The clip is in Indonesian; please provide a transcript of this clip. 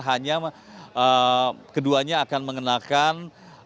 hanya keduanya akan mengenakan